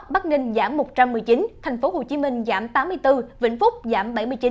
bắc ninh giảm một trăm một mươi chín thành phố hồ chí minh giảm tám mươi bốn vĩnh phúc giảm bảy mươi chín